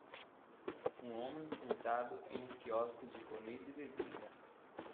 Um homem sentado em um quiosque de comida e bebida